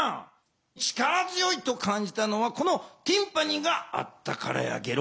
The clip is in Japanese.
力強いと感じたのはこのティンパニがあったからやゲロ。